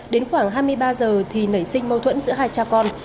đến khoảng hai mươi ba giờ thì nảy sinh mâu thuẫn giữa hai cha con